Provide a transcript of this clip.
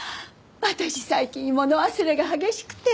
私最近物忘れが激しくて。